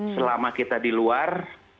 selama kita di luar